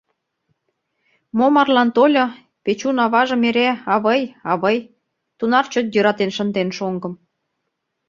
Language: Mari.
Мо марлан тольо, Печун аважым эре «авый, авый» — тунар чот йӧратен шынден шоҥгым.